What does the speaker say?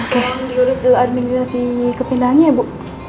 yang diurus dulu administrasi kepindahannya ya bu